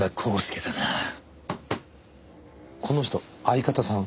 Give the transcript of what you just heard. この人相方さん。